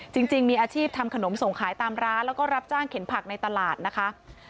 จริงมีอาชีพทำขนมส่งขายตามร้านแล้วก็รับจ้างเข็นผักในตลาดนะคะ